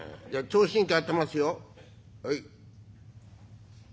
じゃあ聴診器あてますよ。はい」。